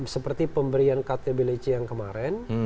seperti pemberian ktblc yang kemarin